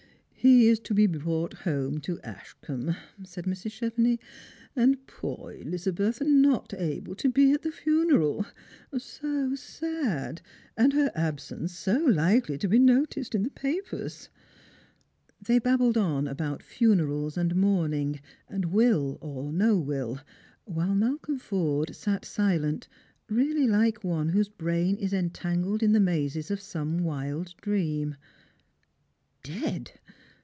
" He is to be brought home to Ashcombe," said Mrs. Chevenix ;" and poor Elizabeth uot able to be at the funeral ! So sad I And her absence so likely to be noticed in the papers !"_ They babbled on about funerals and mourning, and will or no will, while Malcolm' Sorde sat silent, really like one whose brain is entangled in the mazes of some wild dream. Dead